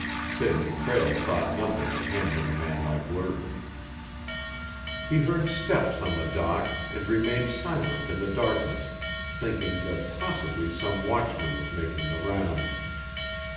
Sidney Prale thought nothing of handling a man like Lerton. He heard steps on the dock and remained silent in the darkness, thinking that possibly some watchman was making the rounds.